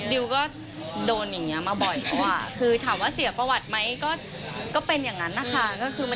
ดิวก็โดนอย่างนี้มาบ่อยเพราะว่าคือถามว่าเสียประวัติไหมก็เป็นอย่างนั้นนะคะ